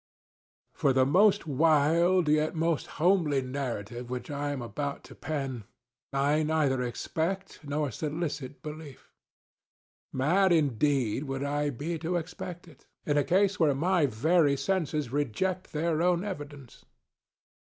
For the most wild, yet most homely narrative which I am about to pen, I neither expect nor solicit belief. Mad indeed would I be to expect it, in a case where my very senses reject their own evidence.